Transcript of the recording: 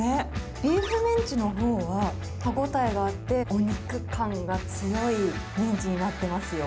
ビーフメンチのほうは歯応えがあって、お肉感が強いメンチになってますよ。